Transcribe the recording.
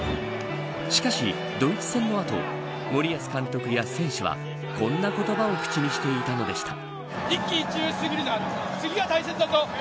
しかし、ドイツ戦の後森保監督や選手はこんな言葉を口にしていたのでした。